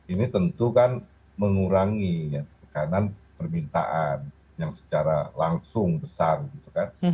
ini tentu kan mengurangi tekanan permintaan yang secara langsung besar gitu kan